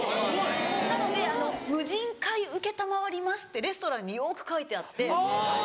なのであの「無尽会承ります」ってレストランによく書いてあって。